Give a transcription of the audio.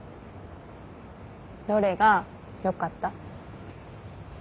どれがよかった？